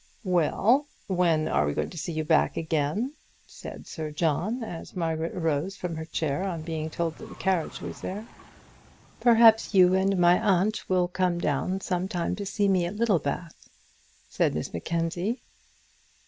"Well; when are we to see you back again?" said Sir John, as Margaret arose from her chair on being told that the carriage was there. "Perhaps you and my aunt will come down some day and see me at Littlebath?" said Miss Mackenzie.